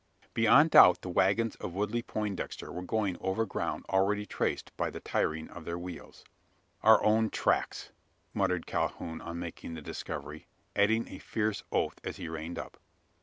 Beyond doubt, the waggons of Woodley Poindexter were going over ground already traced by the tiring of their wheels. "Our own tracks!" muttered Calhoun on making the discovery, adding a fierce oath as he reined up.